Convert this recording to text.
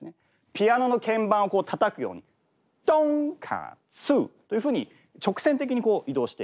ピアノの鍵盤をたたくようにとんかつというふうに直線的に移動していくと。